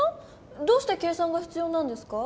どうして計算がひつようなんですか？